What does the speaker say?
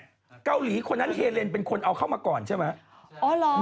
เฮฬนคนที่คุณเอามาก่อนใช่ไหม